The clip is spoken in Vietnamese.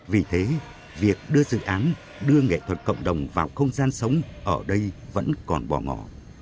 vì thế việc đưa dự án đưa nghệ thuật cộng đồng vào không gian sống ở đây vẫn còn bỏ ngỏ